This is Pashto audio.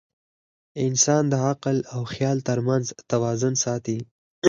انسان د عقل او خیال تر منځ توازن ساتي.